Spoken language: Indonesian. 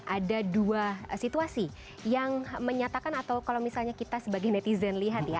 ada dua situasi yang menyatakan atau kalau misalnya kita sebagai netizen lihat ya